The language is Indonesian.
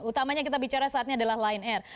utamanya kita bicara saat ini adalah lion air